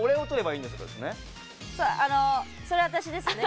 それは私ですね。